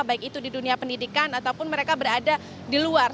ya di dunia pendidikan ataupun mereka berada di luar